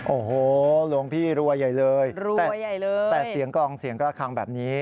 โอ้โหหลวงพี่รัวใหญ่เลยแต่เสียงกลองเสียงกระคังแบบนี้